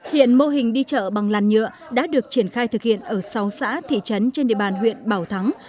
hiện mô hình đi chợ bằng làn nhựa đã được triển khai thực hiện ở sáu xã thị trấn trên địa bàn huyện bảo thắng